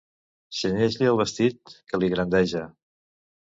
Cenyeix-li el vestit, que li grandeja.